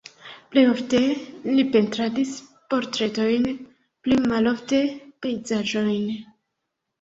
Plej ofte li pentradis portretojn, pli malofte pejzaĝojn.